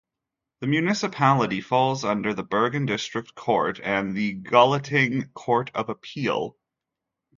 The municipality falls under the Bergen District Court and the Gulating Court of Appeal.